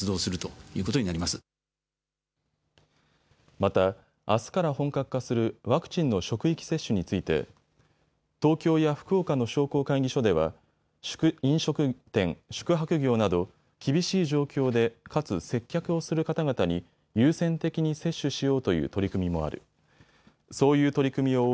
また、あすから本格化するワクチンの職域接種について東京や福岡の商工会議所では飲食店、宿泊業など厳しい状況でかつ接客をする方々に優先的に接種しようという取り組みもある。